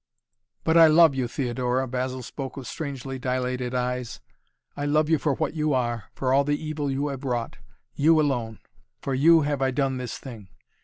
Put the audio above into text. "But I love you, Theodora," Basil spoke with strangely dilated eyes. "I love you for what you are, for all the evil you have wrought! You, alone! For you have I done this thing!